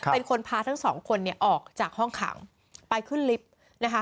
เป็นคนพาทั้งสองคนเนี่ยออกจากห้องขังไปขึ้นลิฟต์นะคะ